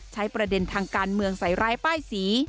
ใช้ประเด็นทางการเมืองใส่ร้ายป้ายสี